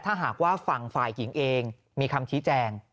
ถ้าหากว่าฝั่งฝ่ายหญิงเองมีคำชี้แจง